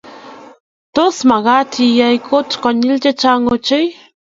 Tos, magaat iyay kunoto konyil chechang ochei?